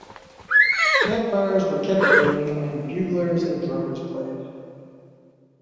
Camp fires were kept burning, and buglers and drummers played.